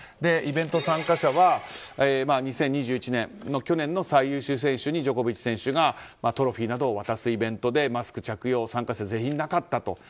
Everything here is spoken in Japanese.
イベント参加者は２０２１年の最優秀選手にジョコビッチ選手がトロフィーなどを渡すイベントでマスク着用参加者全員なかったと。